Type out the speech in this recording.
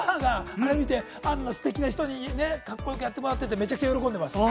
うちの母があんなステキな人にね、カッコよくやってもらってって、めちゃくちゃ喜んでます。